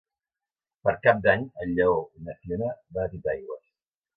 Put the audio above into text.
Per Cap d'Any en Lleó i na Fiona van a Titaigües.